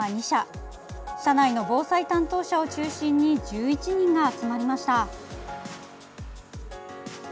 社内の防災担当者を中心に１１人が集まりました。